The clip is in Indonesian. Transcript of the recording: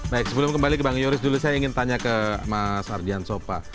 baik sebelum kembali ke bang yoris dulu saya ingin tanya ke mas ardian sopa